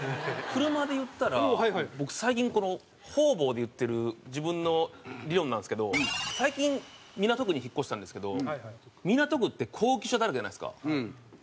車で言ったら僕最近この方々で言ってる自分の理論なんですけど最近港区に引っ越したんですけど港区って高級車だらけじゃないですか。